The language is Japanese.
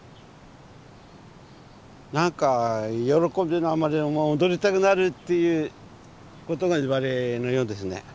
何か喜びのあまり踊りたくなるということがいわれのようですね。